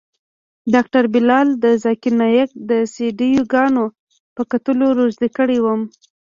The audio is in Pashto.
ډاکتر بلال د ذاکر نايک د سي ډي ګانو په کتلو روږدى کړى وم.